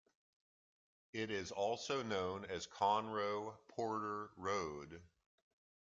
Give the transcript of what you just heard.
It is also known as Conroe Porter Road.